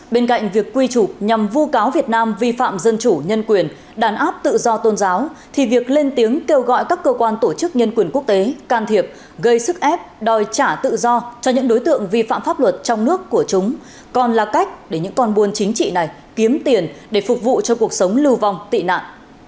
bên cạnh việc quy trục nhằm vu cáo việt nam vi phạm dân chủ nhân quyền đàn áp tự do tôn giáo thì việc lên tiếng kêu gọi các cơ quan tổ chức nhân quyền quốc tế can thiệp gây sức ép đòi trả tự do cho những đối tượng vi phạm pháp luật trong nước của chúng còn là cách để những con buôn chính trị này kiếm tiền để phục vụ cho cuộc sống lưu vong tị nạn